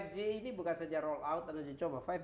lima g ini bukan saja roll out